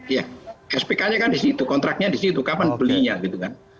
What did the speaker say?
iya spk nya kan di situ kontraknya di situ kapan belinya gitu kan